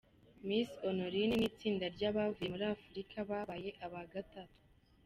Miss Honorine n'itsinda ry'abavuye muri Afurika babaye aba gatatu.